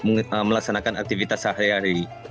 setelah sholat langsung melaksanakan aktivitas sehari hari